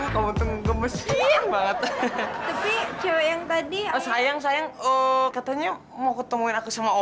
kamu tengge mesin banget tapi cewek yang tadi sayang sayang katanya mau ketemuin aku sama om